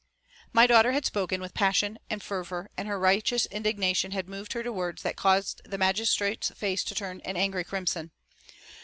My daughter had spoken with passion and fervour, and her righteous indignation had moved her to words that caused the magistrate's face to turn an angry crimson.